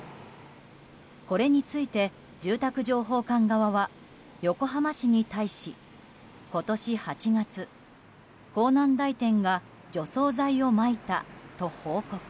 これについて住宅情報館側は横浜市に対し今年８月、港南台店が除草剤をまいたと報告。